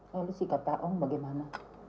lalu sih kata om bagaimana